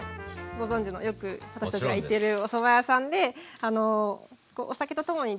ご存じのよく私たちが行ってるおそば屋さんでこうお酒と共に出てくる感じ。